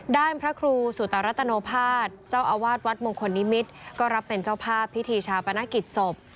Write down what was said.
พระครูสุตรัตโนภาษเจ้าอาวาสวัดมงคลนิมิตรก็รับเป็นเจ้าภาพพิธีชาปนกิจศพ